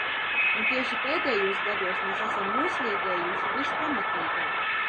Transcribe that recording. Un tieši pēdējos gados mēs esam noslīdējuši vispamatīgāk.